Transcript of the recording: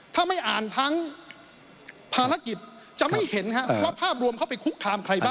ถ้าไม่อ่านทั้งภารกิจจะไม่เห็นว่าภาพรวมเขาไปคุกคามใครบ้าง